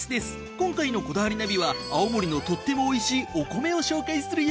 今回の『こだわりナビ』は青森のとってもおいしいお米を紹介するよ。